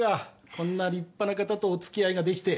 こんな立派な方とお付き合いが出来て。